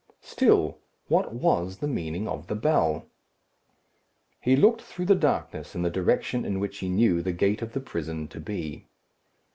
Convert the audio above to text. Still, what was the meaning of the bell? He looked through the darkness in the direction in which he knew the gate of the prison to be.